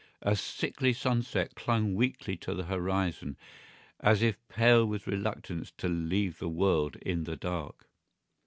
A sickly sunset clung weakly to the horizon, as if pale with reluctance to leave the world in the dark.